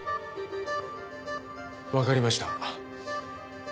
わかりました。